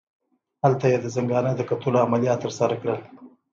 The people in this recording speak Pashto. هلته یې د زنګانه د کتلولو عملیات ترسره کړل.